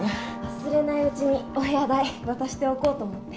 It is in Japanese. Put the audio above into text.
忘れないうちにお部屋代渡しておこうと思って。